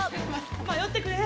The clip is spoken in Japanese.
迷ってくれ！